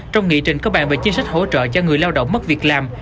trong nghị trình có bàn về chính sách hỗ trợ cho người lao động mất việc làm